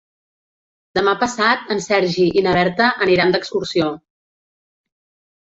Demà passat en Sergi i na Berta aniran d'excursió.